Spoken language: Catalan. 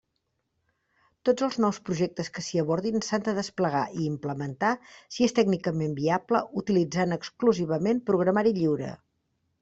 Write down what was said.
Tots els nous projectes que s'hi abordin s'han de desplegar i implementar, si és tècnicament viable, utilitzant exclusivament programari lliure.